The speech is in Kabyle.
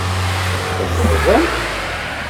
Telluẓem?